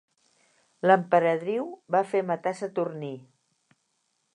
L'emperadriu va fer matar Saturní.